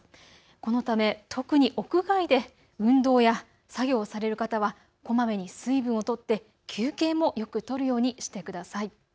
このため特に屋外で運動や作業される方はこまめに水分をとって休憩もよく取るようにしてください。